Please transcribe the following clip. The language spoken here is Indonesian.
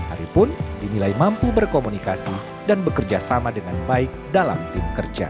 ari pun dinilai mampu berkomunikasi dan bekerja sama dengan baik dalam tim kerja